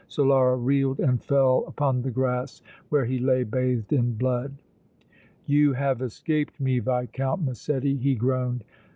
Solara reeled and fell upon the grass, where he lay bathed in blood. "You have escaped me, Viscount Massetti!" he groaned.